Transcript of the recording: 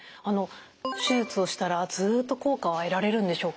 手術をしたらずっと効果は得られるんでしょうか？